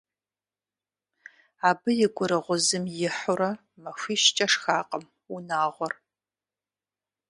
Абы и гурыгъузым ихьурэ, махуищкӀэ шхакъым унагъуэр.